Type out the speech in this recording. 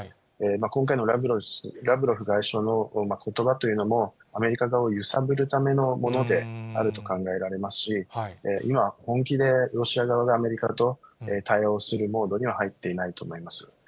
今回のラブロフ外相のことばというのも、アメリカ側を揺さぶるためのものであると考えられますし、今、本気でロシア側がアメリカと対応するモードには入っていないと思います。